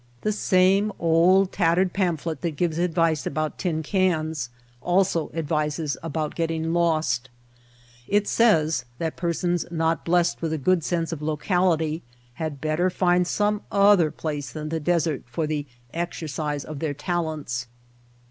The same old, tattered pamphlet that gives advice about tin cans also advises about getting lost. It says that persons not blessed The Mountain Spring with a good sense of locality had better find some other place than the desert for the "exer cise of their talents."